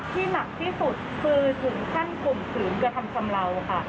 ที่หนักที่สุดคือสงขั้นปุ่มสึมกระทำสำราวค่ะ